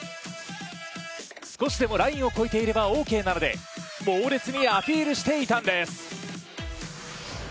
少しでもラインを越えていればオーケーなので猛烈にアピールしていたんです。